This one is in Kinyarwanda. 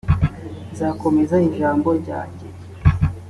nzakomeza ijambo ryanjye.